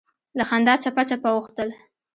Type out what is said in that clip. له خندا چپه چپه اوښتل.